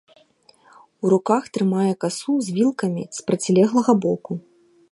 У руках трымае касу з вілкамі з процілеглага боку.